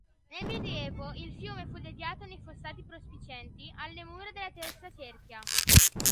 Nel Medioevo il fiume fu deviato nei fossati prospicienti alle mura della terza cerchia.